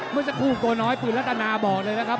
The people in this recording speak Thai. เมื่อสักครู่ตัวน้อยปืนรัตนาบอกเลยนะครับ